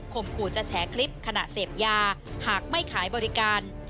ขู่จะแฉคลิปขณะเสพยาหากไม่ขายบริการ